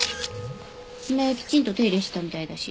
爪きちんと手入れしてたみたいだし。